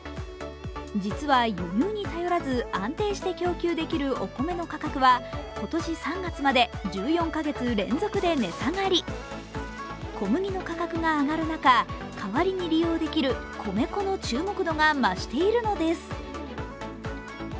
実は輸入に頼らず安定して供給できるお米の価格は今年３月まで１４カ月連続で値下がり小麦の価格が上がる中、代わりに利用できる米粉の注目度が増しているのです。